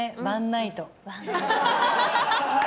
ワンナイト。